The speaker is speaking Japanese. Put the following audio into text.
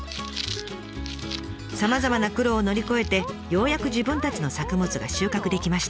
さまざまな苦労を乗り越えてようやく自分たちの作物が収穫できました。